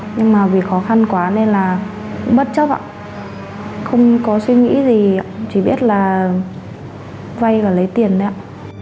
nhưng mà vì khó khăn quá nên là bất chấp ạ không có suy nghĩ gì ạ chỉ biết là vai và lấy tiền đấy ạ